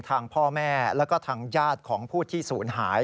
ทางพ่อแม่แล้วก็ทางญาติของผู้ที่ศูนย์หาย